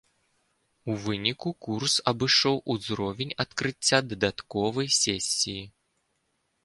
У выніку курс абышоў узровень адкрыцця дадатковай сесіі.